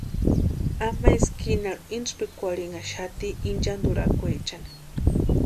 Ama eskinarhu intspikwarhinhaxati inchanturhakwechani.